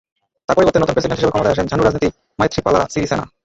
তাঁর পরিবর্তে নতুন প্রেসিডেন্ট হিসেবে ক্ষমতায় আসেন ঝানু রাজনীতিক মাইথ্রিপালা সিরিসেনা।